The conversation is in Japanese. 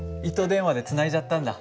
電話でつないじゃったんだ。